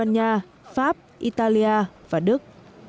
nga pháp italia và đức